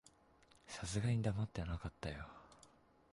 さすがに黙ってなかったよ。